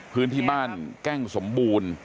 พื้นที่บ้านแก้งสมบูรณ์